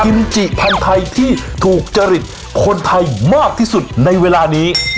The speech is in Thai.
จิพันธุ์ไทยที่ถูกจริตคนไทยมากที่สุดในเวลานี้